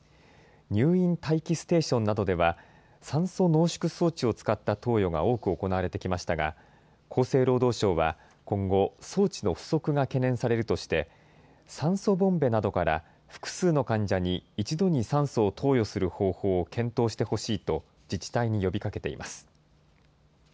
入院待機ステーションなどでは、酸素濃縮装置を使った投与が多く行われてきましたが、厚生労働省は今後、装置の不足が懸念されるとして、酸素ボンベなどから複数の患者に、一度に酸素を投与する方法を検討してほしいと、自治体に呼びかけています。